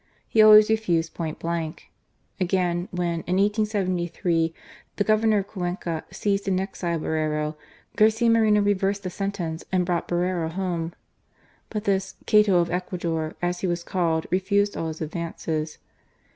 He always refused point blank. Again, when, in 1873, the Governor of Cuenca seized and exiled Borrero, Garcia Moreno reversed the sentence and brought Borrero home. But this " Cato of Ecuador," as he was called, refused all his advances.